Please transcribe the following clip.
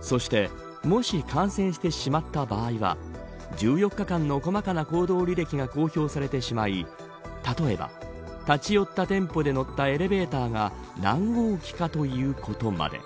そしてもし感染してしまった場合は１４日間の細かな行動履歴が公表されてしまい例えば、立ち寄った店舗で乗ったエレベーターが何号機か、ということまで。